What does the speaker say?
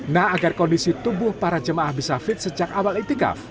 nah agar kondisi tubuh para jemaah bisa fit sejak awal itikaf